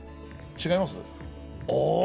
違います？